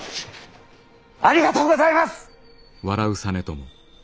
ありがとうございます！